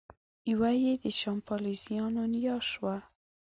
یوه یې د شامپانزیانو نیا شوه.